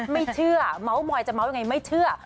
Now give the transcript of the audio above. ไม่เชื่อเมาส์มอยจะเมาส์ยังไงไม่เชื่อ